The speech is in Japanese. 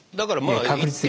確率的に。